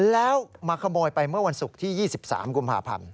แล้วมาขโมยไปเมื่อวันศุกร์ที่๒๓กุมภาพันธ์